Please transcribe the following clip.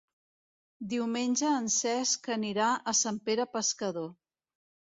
Diumenge en Cesc anirà a Sant Pere Pescador.